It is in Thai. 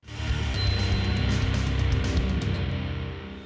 บรรยายแน่นที่ต่อไป